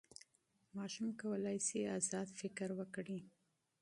ماشوم کولی سي ازاد فکر وکړي.